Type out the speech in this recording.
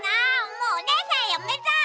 もうおねえさんやめた！